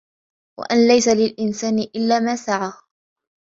وأن ليس للإنسان إلا ما سعى